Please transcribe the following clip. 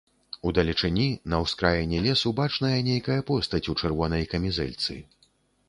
Удалечыні, на ўскраіне лесу бачная нейкая постаць у чырвонай камізэльцы.